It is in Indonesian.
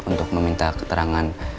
untuk meminta keterangan